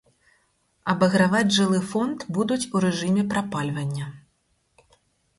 Абаграваць жылы фонд будуць у рэжыме прапальвання.